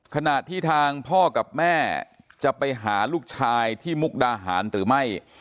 ขณะที่ทางพ่อกับแม่จะไปหาลูกชายที่มุกดาหารหรือไม่